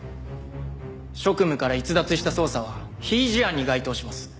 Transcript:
職務から逸脱した捜査は非違事案に該当します。